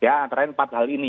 ya antara lain empat hal ini